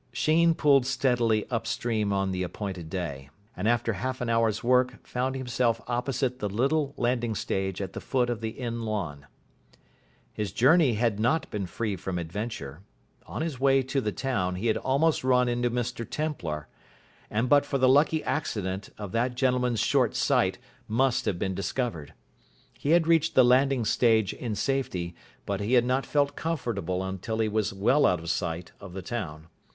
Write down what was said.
Sheen pulled steadily up stream on the appointed day, and after half an hour's work found himself opposite the little landing stage at the foot of the inn lawn. His journey had not been free from adventure. On his way to the town he had almost run into Mr Templar, and but for the lucky accident of that gentleman's short sight must have been discovered. He had reached the landing stage in safety, but he had not felt comfortable until he was well out of sight of the town.